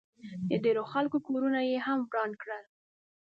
د ډېرو خلکو کورونه ئې هم وران کړل